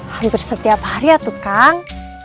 hampir setiap hari ya tuh kang